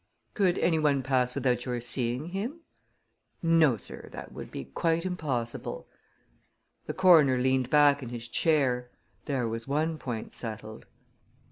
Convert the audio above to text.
"Could anyone pass without your seeing him?" "No, sir; that would be quite impossible." The coroner leaned back in his chair. There was one point settled.